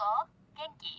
元気？